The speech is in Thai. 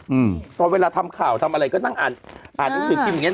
เพราะเวลาทำข่าวทำอะไรก็นั่งอ่านหนังสือพิมพ์อย่างนี้